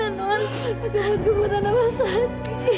aduh mengebutan apa sakti